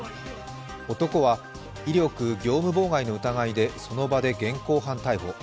男は威力業務妨害の疑いでその場で現行犯逮捕。